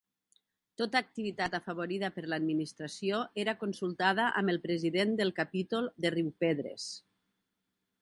Tota activitat afavorida per l'administració era consultada amb el president del Capítol de Riu Pedres.